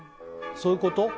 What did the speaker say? そういうこと？